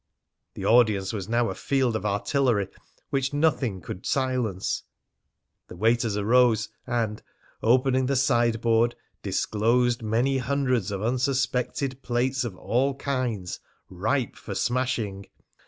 The audience was now a field of artillery which nothing could silence. The waiters arose, and, opening the sideboard, disclosed many hundreds of unsuspected plates of all kinds, ripe for smashing.